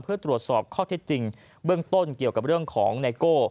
เพื่อตรวจสอบข้อเท็จจริงเบื้องต้นเกี่ยวกับเรื่องของไนโก้